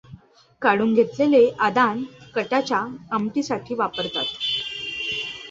काढून घेतलेले आदान कटाच्या आमटीसाठी वापरतात.